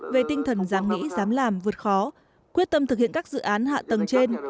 về tinh thần dám nghĩ dám làm vượt khó quyết tâm thực hiện các dự án hạ tầng trên